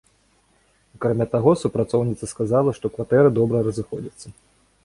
Акрамя таго, супрацоўніца сказала, што кватэры добра разыходзяцца.